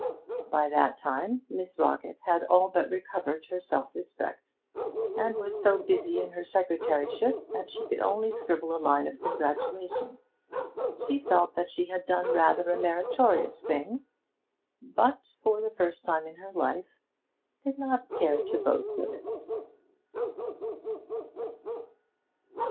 By that time Miss Rockett had all but recovered her self respect, and was so busy in her secretaryship that she could only scribble a line of congratulation. She felt that she had done rather a meritorious thing, but, for the first time in her life, did not care to boast of it.